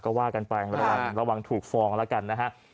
ก็ว่ากันไประวังระวังถูกฟองแล้วกันนะฮะ